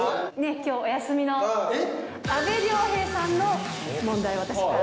きょうお休みの、阿部亮平さんの問題を私から。